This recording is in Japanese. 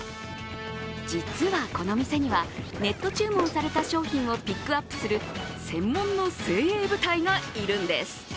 実は、この店にはネット注文された商品をピックアップする専門の精鋭部隊がいるんです。